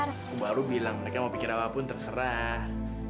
aku baru bilang mereka mau pikir apa pun terserah